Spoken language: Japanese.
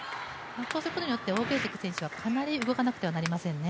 こうすることによって王ゲイ迪選手はかなり動かなくてはなりませんね。